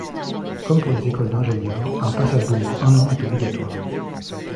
Comme pour les écoles d’ingénieurs, un passage d'au moins un an est obligatoire.